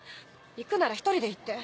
行くなら１人で行って。